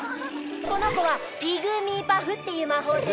この子はピグミーパフっていう魔法生物です。